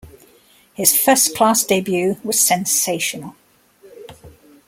His first-class debut was sensational.